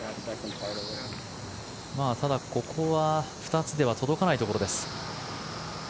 ただ、ここは２つでは届かないところです。